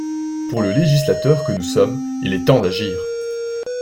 Pour le législateur que nous sommes, il est temps d’agir.